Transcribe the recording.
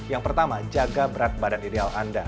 yang pertama jaga berat badan ideal anda